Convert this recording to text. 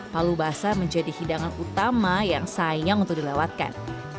palu basah menjadi hidangan utama yang sayang untuk dilewatkan